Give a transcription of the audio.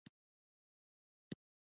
ایا په کورنۍ کې مو ارثي ناروغي شته؟